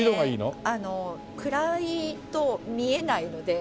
あの暗いと見えないので。